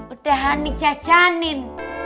udah honey jajanin